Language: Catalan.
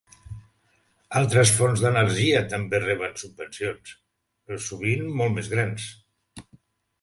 Altres fonts d'energia també reben subvencions, sovint molt més grans.